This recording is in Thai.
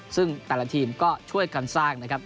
ซึ่งแต่ละทีมก็ช่วยกันสร้างนะครับ